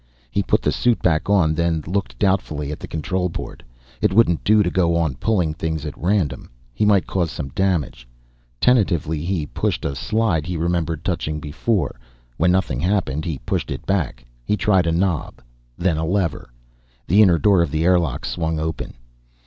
He put the suit back on, then looked doubtfully at the control board. It wouldn't do to go on pulling things at random; he might cause some damage. Tentatively, he pushed a slide he remembered touching before. When nothing happened, he pushed it back. He tried a knob, then a lever. The inner door of the airlock swung open.